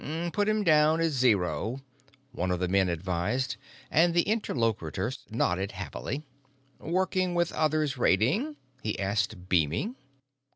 "Put him down as zero," one of the men advised, and the interlocutor nodded happily. "Working with others rating?" he asked, beaming.